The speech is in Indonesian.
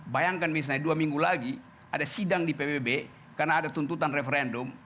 bayangkan misalnya dua minggu lagi ada sidang di pbb karena ada tuntutan referendum